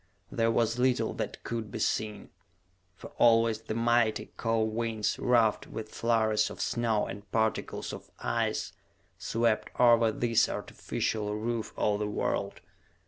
There was little that could be seen, for always the mighty, cold winds, ruffed with flurries of snow and particles of ice, swept over this artificial roof of the world.